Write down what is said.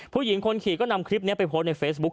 ผู้หญิงคนขี่ก็นำคลิปนี้ไปโพสต์ในเฟซบุ๊ค